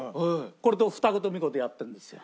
これと二言三言やってるんですよ。